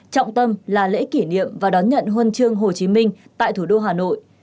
trọng tâm là lễ kỷ niệm và đón nhận huân chương hồ chí minh tại thủ đô hà nội